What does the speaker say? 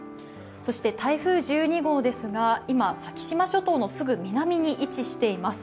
そして台風１２号ですが、今、先島諸島のすぐ南に位置しています。